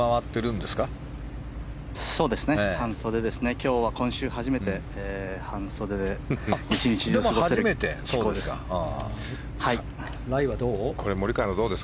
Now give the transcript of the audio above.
今日は今週初めて半袖で１日中過ごせる気候です。